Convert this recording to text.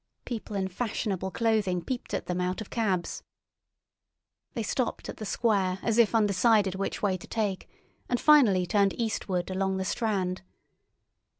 People in fashionable clothing peeped at them out of cabs. They stopped at the Square as if undecided which way to take, and finally turned eastward along the Strand.